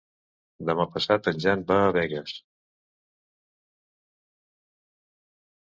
Demà passat en Jan va a Begues.